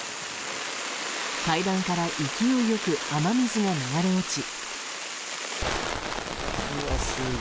階段から勢いよく雨水が流れ落ち。